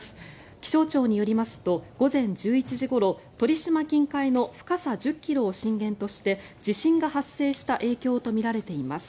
気象庁によりますと午前１１時ごろ鳥島近海の深さ１０ｋｍを震源として地震が発生した影響とみられています。